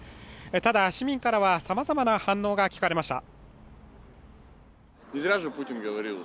ただ市民からは、さまざまな反応が聞かれました。